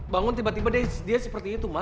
bangun tiba tiba dia seperti itu mas